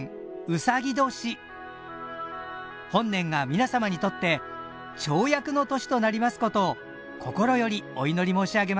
本年が皆様にとって跳躍の年となりますことを心よりお祈り申し上げます。